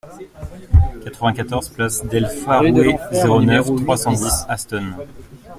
quatre-vingt-quatorze place del Faouré, zéro neuf, trois cent dix, Aston